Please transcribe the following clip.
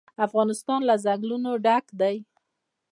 افغانستان له ځنګلونه ډک دی.